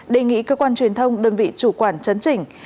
đề nghị cơ quan truyền thông đơn vị chủ quản chấn chỉnh